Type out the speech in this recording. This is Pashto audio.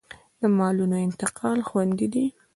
د مالونو انتقال خوندي دی